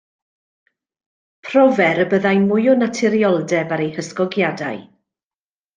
Profer y byddai mwy o naturioldeb ar eu hysgogiadau.